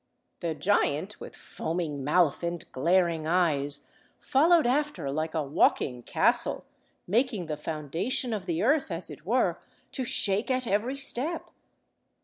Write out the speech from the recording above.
The giant, with foaming mouth and glaring eyes, followed after, like a walking castle, making the foundation of the earth, as it were, to shake at every step.